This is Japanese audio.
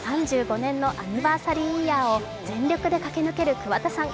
３５年のアニバーサリーイヤーを全力で駆け抜ける桑田さん。